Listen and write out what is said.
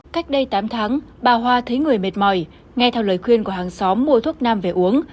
cách đây tám tháng bà hoa thấy người mệt mỏi nghe theo lời khuyên của hàng xóm mua thuốc nam về uống